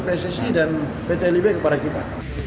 beri persisi dan pt libe kepada kita